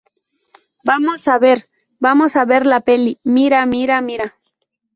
vamos a ver, vamos a ver la peli. mira, mira, mira.